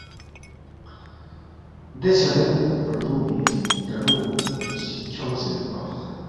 دے چھہ لین ردُونگمی ہلٹنُو چِک کھیونگسے یودپا